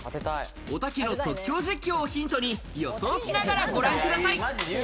おたけの即興実況をヒントに予想しながら、ご覧ください。